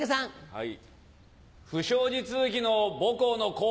はい。